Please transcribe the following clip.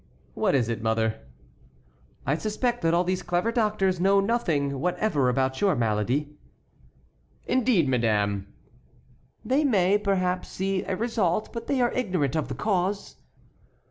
"What is it, mother?" "I suspect that all these clever doctors know nothing whatever about your malady." "Indeed, madame!" "They may, perhaps, see a result, but they are ignorant of the cause."